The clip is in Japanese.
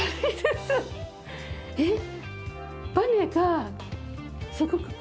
えっ？